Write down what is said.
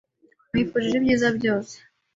Nkwifurije ibyiza byose.